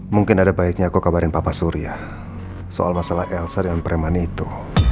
mungkin ada baiknya kok kabarin papa surya soal masalah elsa dan preman itu